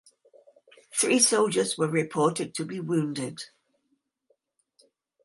Three soldiers were reported to be wounded.